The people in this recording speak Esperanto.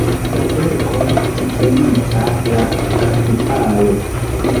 La verko, titolita "La kapitalo.